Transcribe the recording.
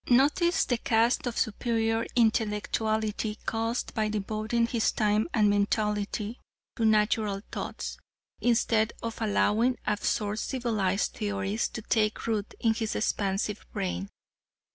Notice the cast of superior intellectuality caused by devoting his time and mentality to natural thoughts, instead of allowing absurd civilized theories to take root in his expansive brain.